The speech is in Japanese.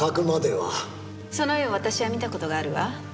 その絵を私は見た事があるわ。